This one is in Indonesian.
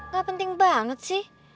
gak penting banget sih